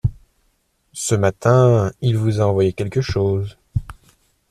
Ce matin, il vous a envoyé quelque chose.